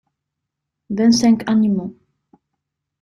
Vingt-cinq animaux.